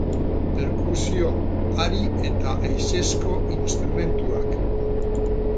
Perkusio, hari eta haizezko instrumentuak.